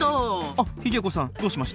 あっヒゲ子さんどうしました？